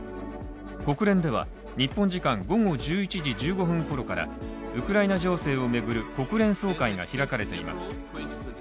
国連では日本時間午後１１時１５分ごろから、ウクライナ情勢を巡る国連総会が開かれています。